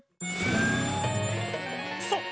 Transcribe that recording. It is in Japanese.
そう。